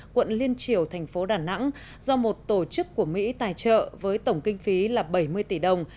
quận liên triều thành phố đà nẵng do một tổ chức của mỹ tài trợ với tổng kinh phí là bảy mươi tỷ đồng